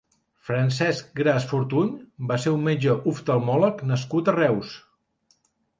Francesc Gras Fortuny va ser un metge oftalmòleg nascut a Reus.